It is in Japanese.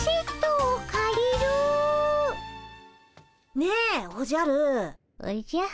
ねえおじゃる。